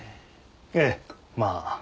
ええまあ。